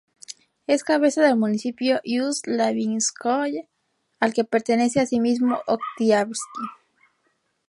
Es cabeza del municipio Ust-Labínskoye, al que pertenece asimismo Oktiabrski.